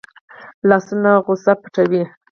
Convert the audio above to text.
لاسونه غصه پټوي